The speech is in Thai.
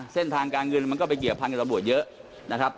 เส้นทางการเงินมันก็ไปเกี่ยวพันกับตำรวจเยอะนะครับ